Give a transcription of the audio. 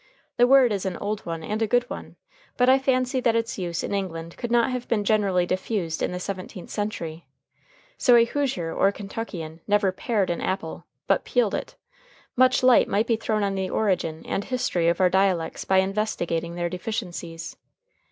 The word is an old one and a good one, but I fancy that its use in England could not have been generally diffused in the seventeenth century. So a Hoosier or a Kentuckian never pared an apple, but peeled it. Much light might be thrown on the origin and history of our dialects by investigating their deficiencies.